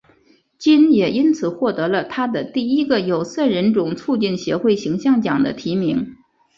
金也因此获得了她的第一个有色人种促进协会形象奖的提名。